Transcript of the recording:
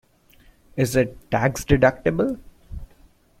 Is it tax-deductible?